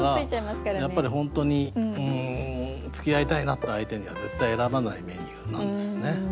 だからやっぱり本当につきあいたいなっていう相手には絶対選ばないメニューなんですねイカスミパスタ。